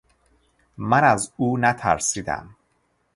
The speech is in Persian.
من از اون نترسیدم...